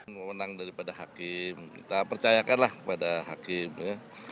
memenang daripada hakim kita percayakanlah kepada hakim ya